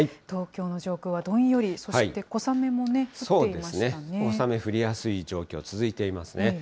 東京の上空はどんより、そして小小雨降りやすい状況、続いていますね。